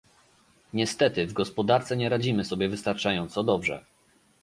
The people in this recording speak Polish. Niestety, w gospodarce nie radzimy sobie wystarczająco dobrze